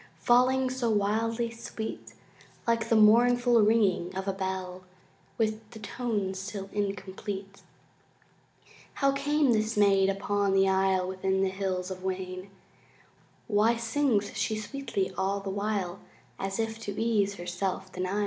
Falling so wildly sweet, Like the mournful ringing of a bell With the tones still incomplete. How came this maid upon the isle Within the Hills of Wayne? Why sings she sweetly all the while As if to ease her self denial?